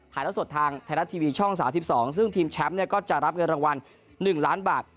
ถ่ายรถสดทางถ่ายรถทีวีช่องสาวที่๑๒ซึ่งทีมแชมป์เนี่ยก็จะรับเงินรางวัล๑ล้านบาท